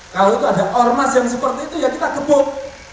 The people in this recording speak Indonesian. kalau itu ada ormas yang seperti itu ya kita gebok